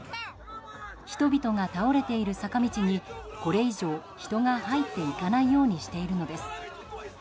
人々が倒れている坂道にこれ以上人が入っていかないようにしているのです。